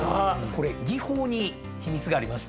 これ技法に秘密がありまして。